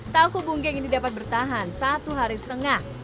tahu bunggeng ini dapat bertahan satu hari setengah